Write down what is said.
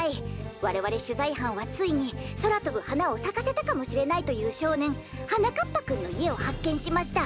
われわれしゅざいはんはついにそらとぶはなをさかせたかもしれないというしょうねんはなかっぱくんのいえをはっけんしました！